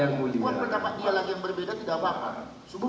yang berbeda tidak bakal